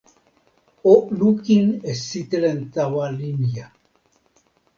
o lukin e sitelen tawa Linja